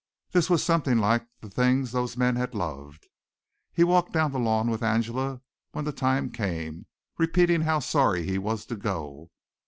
This was something like the things those men had loved. He walked down the lawn with Angela, when the time came, repeating how sorry he was to go.